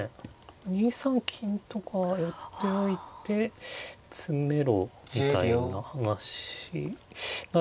２三金とか寄っておいて詰めろみたいな話ならいいですかね。